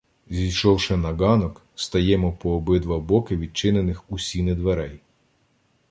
Зійшовши на ґанок, стаємо по обидва боки відчинених у сіни дверей.